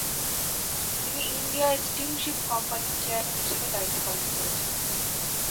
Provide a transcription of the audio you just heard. তিনি India steamship কোম্পানির chairman হিসেবে দায়িত্বপালন করেছেন।